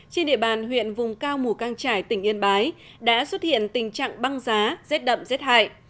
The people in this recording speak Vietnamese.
trên địa bàn huyện vùng cao mùa căng trải tỉnh yên bái đã xuất hiện tình trạng băng giá giết đậm giết hại